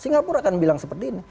singapura akan bilang seperti ini